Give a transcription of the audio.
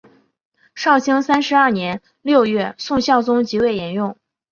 绍兴三十二年六月宋孝宗即位沿用。